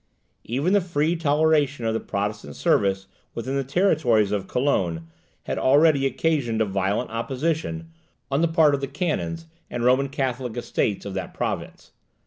Even the free toleration of the Protestant service within the territories of Cologne, had already occasioned a violent opposition on the part of the canons and Roman Catholic `Estates' of that province.